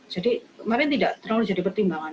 jadi mungkin tidak terlalu jadi pertimbangan